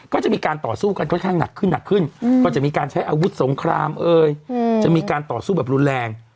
ก็จะมีการต่อสู้กันค่อนข้างหนักขึ้นหนักขึ้นก็จะมีการใช้อาวุธสงครามจะมีการต่อสู้แบบรุนแรง